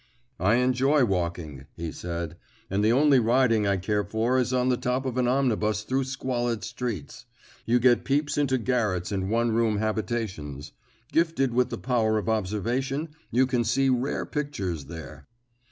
"I enjoy walking," he said, "and the only riding I care for is on the top of an omnibus through squalid streets. You get peeps into garrets and one room habitations. Gifted with the power of observation, you can see rare pictures there."